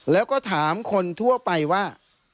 แล้วก็ถามคนทั่วไปว่า